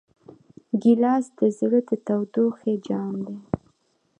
ګیلاس د زړه د تودوخې جام دی.